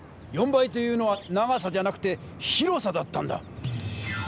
４倍というのは長さじゃなくて広さだったんだ！